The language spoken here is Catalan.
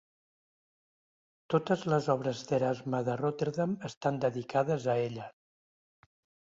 Totes les obres d'Erasme de Rotterdam estan dedicades a ella.